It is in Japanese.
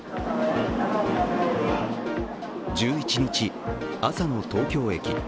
１１日、朝の東京駅。